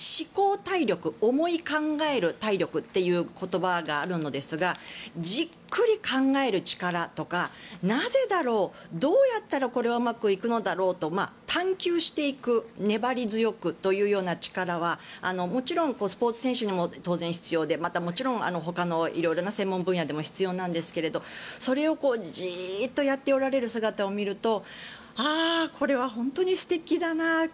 体力思い考える体力っていう言葉があるのですがじっくり考える力とかなぜだろうどうやったらこれはうまくいくのだろうと探究していく粘り強くというような力はもちろんスポーツ選手にも当然必要でまた、もちろんほかの色々な専門分野でも必要なんですが、それをじっとやっておられる姿を見るとこれは本当に素敵だな